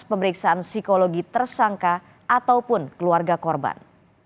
pemeriksaan psikologi tersangka ataupun keluarga korban